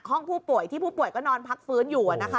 ห้องผู้ป่วยที่ผู้ป่วยก็นอนพักฟื้นอยู่